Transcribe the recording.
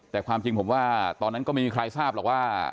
แต่ความจริงผมว่าตอนนั้นก็ไม่มีใครทราบหรอกว่า